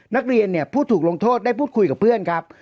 นักเรียนเนี่ยผู้ถูกลงโทษได้พูดคุยกับเพื่อนครับ